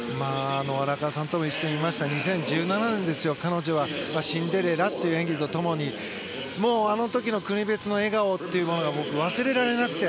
荒川さんとも一緒に見ました２０１７年ですよ、彼女は「シンデレラ」という演技と共にもう、あの時の国別の笑顔が忘れられなくて。